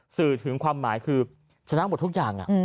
สื่อถึงความหมายคือชนะหมดทุกอย่าง